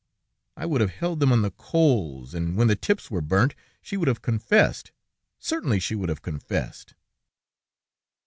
I would have held them on the coals, and when the tips were burnt, she would have confessed... certainly she would have confessed!"